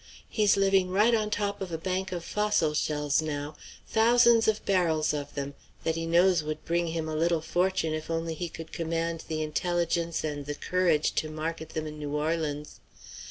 He's living right on top of a bank of fossil shells now, thousands of barrels of them, that he knows would bring him a little fortune if only he could command the intelligence and the courage to market them in New Orleans.